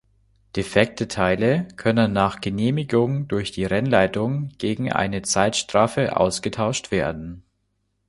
Defekte Teile können nach Genehmigung durch die Rennleitung gegen eine Zeitstrafe ausgetauscht werden.